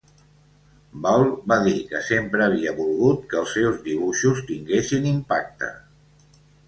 Ball va dir que sempre havia volgut que els seus dibuixos tinguessin impacte.